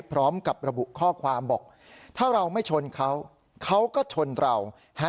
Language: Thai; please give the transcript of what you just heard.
พร้อมกับระบุข้อความบอกถ้าเราไม่ชนเขาเขาก็ชนเรา